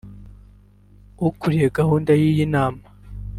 ukuriye gahunda z’iyi nama